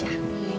hah aku aja